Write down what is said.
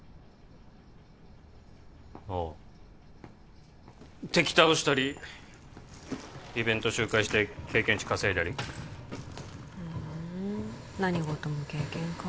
ああ敵倒したりイベント周回して経験値稼いだりふん何事も経験か